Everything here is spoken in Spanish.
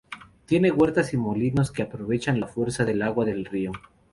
Tiene huertas y molinos que aprovechan la fuerza del agua del río.